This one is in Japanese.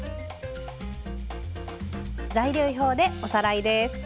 材料表でおさらいです。